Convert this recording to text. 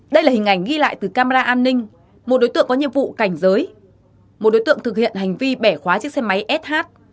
đây là hình ảnh ghi lại từ camera an ninh một đối tượng có nhiệm vụ cảnh giới một đối tượng thực hiện hành vi bẻ khóa chiếc xe máy sh